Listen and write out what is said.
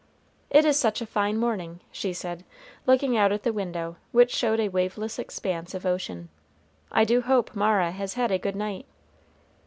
"It is such a fine morning," she said, looking out at the window, which showed a waveless expanse of ocean. "I do hope Mara has had a good night."